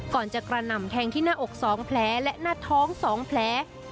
ก่อนจะกระหน่ำแทงที่หน้าอก๒แผลและหน้าท้อง๒แผล